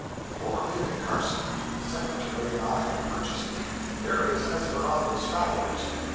Before leaving Carson, the Secretary and I had purchased "feet" from various Esmeralda stragglers.